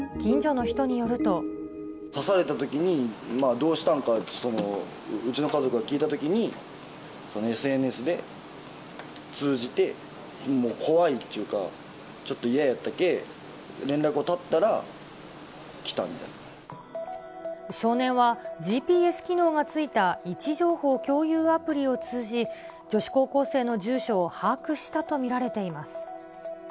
刺されたときに、どうしたんかって、うちの家族が聞いたときに、ＳＮＳで通じて、怖いっちゅうか、ちょっと嫌やったけ、少年はＧＰＳ機能が付いた位置情報共有アプリを通じ、女子高校生の住所を把握したと見られています。